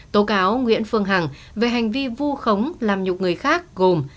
tố cáo nguyễn phương hằng về hành vi vu khống làm nhục người khác gồm